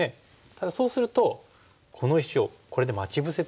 ただそうするとこの石をこれで待ち伏せてるイメージですね。